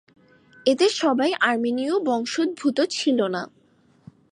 এদের সবাই আর্মেনীয় বংশোদ্ভূত ছিল না।